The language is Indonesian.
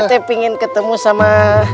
saya pengen ketemu sama